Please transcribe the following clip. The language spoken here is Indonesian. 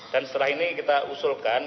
dan setelah ini kita usulkan